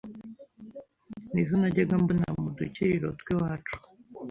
n’izo najyaga mbona mu dukiriro tw’iwacu